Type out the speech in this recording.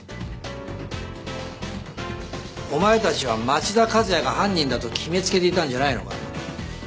お前たちは町田和也が犯人だと決めつけていたんじゃないのか？